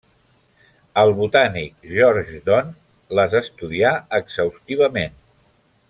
El botànic George Don les estudià exhaustivament.